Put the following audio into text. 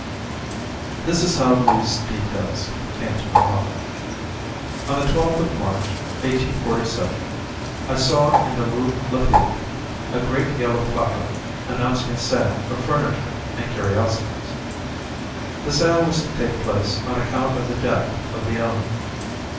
This is how these details came to my knowledge. On the 12th of March, 1847, I saw in the Rue Lafitte a great yellow placard announcing a sale of furniture and curiosities. The sale was to take place on account of the death of the owner.